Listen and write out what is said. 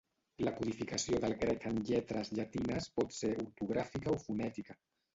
La codificació del grec en lletres llatines pot ser ortogràfica o fonètica.